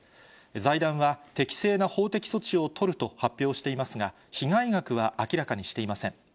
財団は、適正な法的措置を取ると発表していますが、被害額は明らかにしていません。